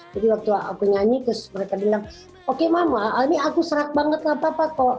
jadi waktu aku nyanyi terus mereka bilang oke mam ini aku serak banget gapapa kok